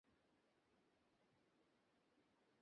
এতকাল পরও দেশ নামের মা-টা সুখী হয়েও সুখী হতে পারছে না।